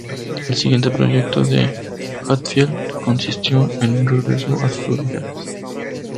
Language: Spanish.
El siguiente proyecto de Hatfield, consistió en un regreso a sus orígenes.